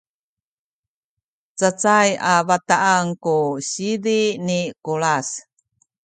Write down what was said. cacay a bataan ku sizi ni Kulas